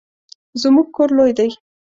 زمونږ کور لوی دی